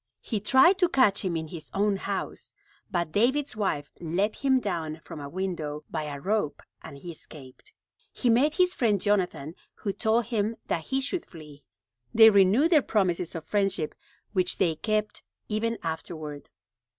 He tried to catch him in his own house, but David's wife let him down from a window by a rope and he escaped. He met his friend Jonathan, who told him that he should flee. They renewed their promises of friendship, which they kept ever afterward.